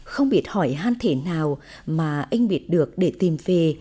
không biết hỏi han thể nào mà anh biết được để tìm về